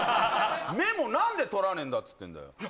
メモ何で取らねえんだっつってんだよ